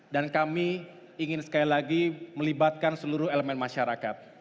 dan kami ingin sekali lagi melibatkan seluruh elemen masyarakat